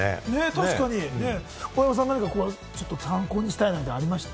確かに大山さん、参考にしたいみたいなのありました？